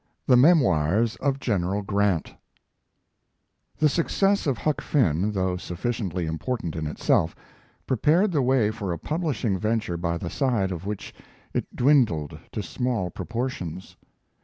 THE MEMOIRS OF GENERAL GRANT The success of Huck Finn, though sufficiently important in itself, prepared the way for a publishing venture by the side of which it dwindled to small proportions.